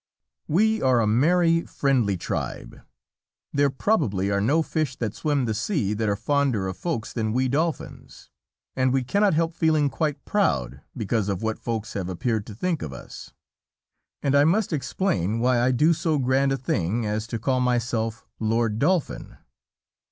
We are a merry, friendly tribe. There probably are no fish that swim the sea that are fonder of Folks than we Dolphins. And we cannot help feeling quite proud because of what Folks have appeared to think of us. And I must explain why I do so grand a thing as to call myself "Lord Dolphin."